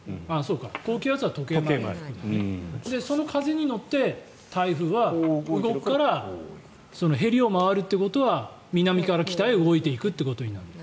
その風に乗って台風は動くからへりを回るということは南から北へ動いていくことになると。